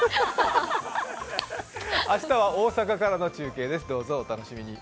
明日は大阪からの中継です、どうぞお楽しみに。